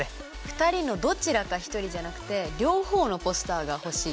２人のどちらか１人じゃなくて両方のポスターが欲しいと。